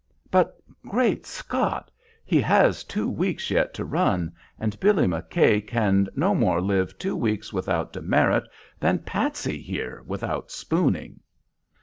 "But great Scott! He has two weeks yet to run; and Billy McKay can no more live two weeks without demerit than Patsy, here, without 'spooning.'"